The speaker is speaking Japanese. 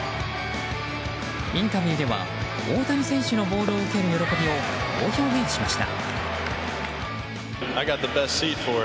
インタビューでは大谷選手のボールを受ける喜びをこう表現しました。